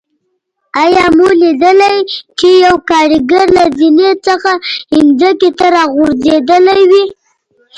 آیا مو لیدلي چې یو کاریګر له زینې څخه ځمکې ته راغورځېدلی وي.